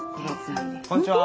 こんにちは。